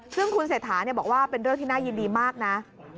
ซึ่งคุณเศรษฐาบอกว่าเป็นเรื่องที่น่ายินดีมากนะ